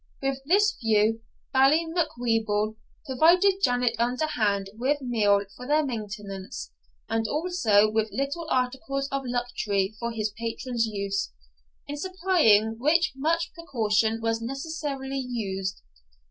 With this view, Bailie Macwheeble provided Janet underhand with meal for their maintenance, and also with little articles of luxury for his patron's use, in supplying which much precaution was necessarily used.